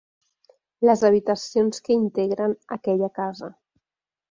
Les habitacions que integren aquella casa.